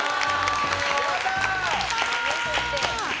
やったー！